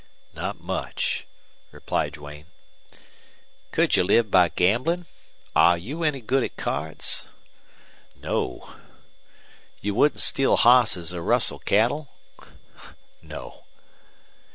"Not much," replied Duane. "Could you live by gamblin'? Are you any good at cards?" "No." "You wouldn't steal hosses or rustle cattle?" "No."